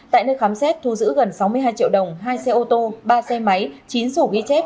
tại nơi khám xét thu giữ gần sáu mươi hai triệu đồng hai xe ô tô ba xe máy chín sổ ghi chép